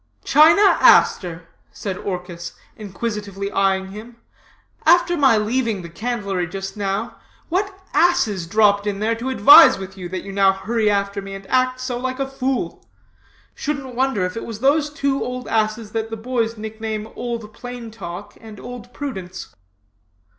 "'China Aster,' said Orchis, inquisitively eying him, after my leaving the candlery just now, what asses dropped in there to advise with you, that now you hurry after me, and act so like a fool? Shouldn't wonder if it was those two old asses that the boys nickname Old Plain Talk and Old Prudence.'